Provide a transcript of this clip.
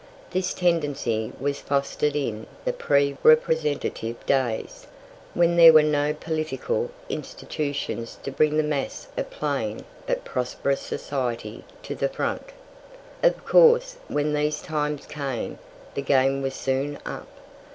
This tendency was fostered in the pre representative days, when there were no political institutions to bring the mass of plain but prosperous society to the front. Of course, when these times came, the game was soon up.